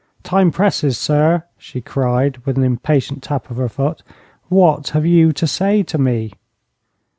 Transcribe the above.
'Time presses, sir!' she cried, with an impatient tap of her foot. 'What have you to say to me?'